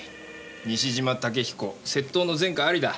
西島武彦窃盗の前科ありだ。